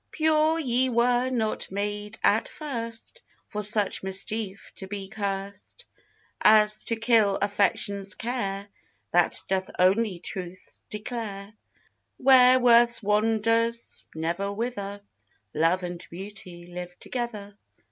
Sure ye were not made at first For such mischief to be curst; As to kill Affection's care That doth only truth declare; Where worth's wonders never wither, Love and Beauty live together.